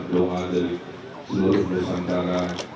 dari seluruh desa antara